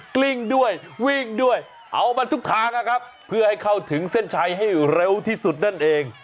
กลิ้งด้วยวิ่งด้วยเอามันทุกทางนะครับเพื่อให้เข้าถึงเส้นชัยให้เร็วที่สุดนั่นเอง